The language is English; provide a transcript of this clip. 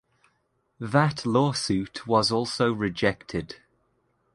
That lawsuit was also rejected.